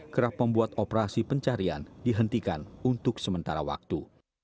kerap membuat operasi pencarian dihentikan untuk sementara waktu